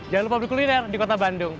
jangan lupa berkulir di kota bandung